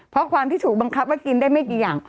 เพราะความที่ถูกบังคับว่ากินได้ไม่กี่อย่าง